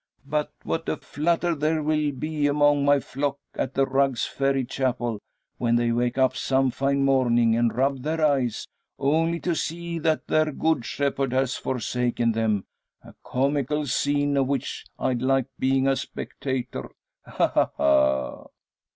But what a flutter there'll be among my flock at the Rugg's Ferry Chapel, when they wake up some fine morning, and rub their eyes only to see that their good shepherd has forsaken them! A comical scene, of which I'd like being a spectator. Ha! ha! ha!"